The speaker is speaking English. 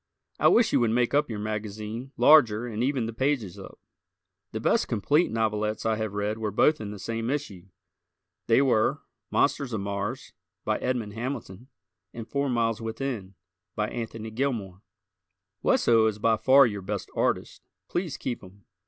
I wish you would make up your magazine larger and even the pages up. The best complete novelettes I have read were both in the same issue. They were "Monsters of Mars," by Edmond Hamilton and "Four Miles Within," by Anthony Gilmore. Wesso is by far your best artist. Please keep him.